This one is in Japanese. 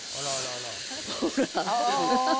ほら。